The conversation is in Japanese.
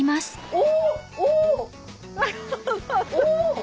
お！